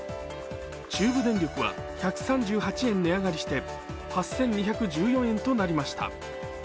中部電力は１３８円値上がりして８２１４円となりました。